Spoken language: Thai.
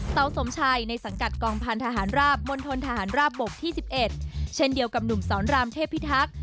เสาสมชัยในสังกัดกองพันธหารราบมณฑนทหารราบบกที่๑๑เช่นเดียวกับหนุ่มสอนรามเทพิทักษ์